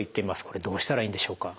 これどうしたらいいんでしょうか。